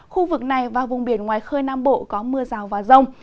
khu vực này và vùng biển ngoài khơi nam bộ có mưa rào và rông